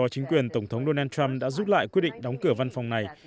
chính quyền tổng thống donald trump đã giúp lại quyết định đóng cửa văn phòng này